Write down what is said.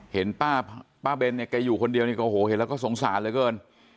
เห็นป้าเบนเนี่ยแกอยู่คนเดียวนี่ก็โอ้โหเห็นแล้วก็สงสารเหลือเกิน